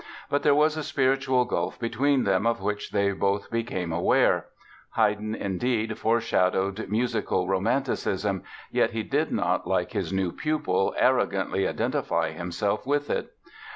But there was a spiritual gulf between them of which they both became aware. Haydn, indeed, foreshadowed musical romanticism, yet he did not, like his new pupil, arrogantly identify himself with it.